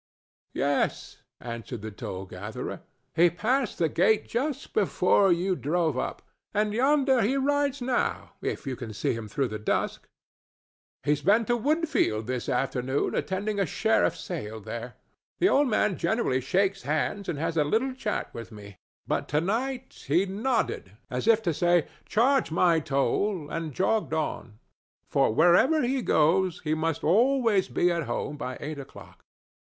"Yes," answered the toll gatherer; "he passed the gate just before you drove up, and yonder he rides now, if you can see him through the dusk. He's been to Woodfield this afternoon, attending a sheriff's sale there. The old man generally shakes hands and has a little chat with me, but to night he nodded, as if to say, 'Charge my toll,' and jogged on; for, wherever he goes, he must always be at home by eight o'clock."